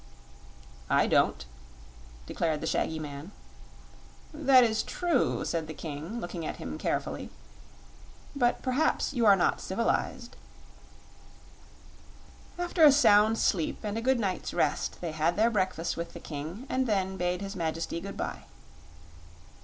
"I don't," declared the shaggy man. "That is true," said the King, looking at him carefully; "but perhaps you are not civilized." After a sound sleep and a good night's rest they had their breakfast with the King and then bade his Majesty good bye.